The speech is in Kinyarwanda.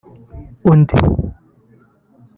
” Undi